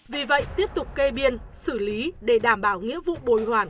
vì vậy tiếp tục kê biên xử lý để đảm bảo nghĩa vụ bồi hoàn